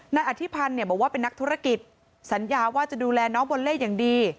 นายอธิพันธ์บอกว่าเป็นนักธุรกิจสัญญาว่าจะดูแลน้องบอลเล่อย่างดี